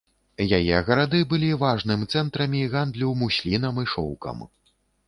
Яе гарады былі важным цэнтрамі гандлю муслінам і шоўкам.